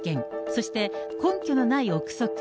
そして、根拠のない臆測。